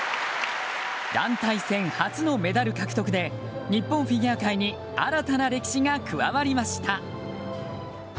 団体戦初のメダル獲得で日本フィギュア界に新たな絵が加わりました。